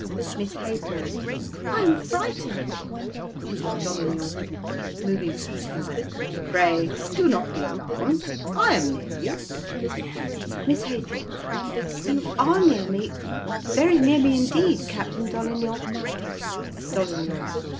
Miss Haythorn. I am frightened. Dolignan (moving to her side). Pray do not be alarmed; I am near you. Miss Haythorn. You are near me very near me indeed, Captain Dolignan. _Dolignan.